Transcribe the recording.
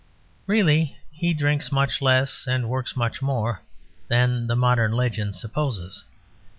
Really he drinks much less and works much more than the modern legend supposes.